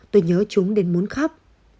tôi nhớ chúng đến muốn khóc